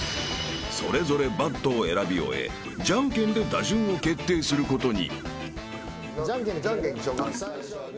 ［それぞれバットを選び終えじゃんけんで打順を決定することに］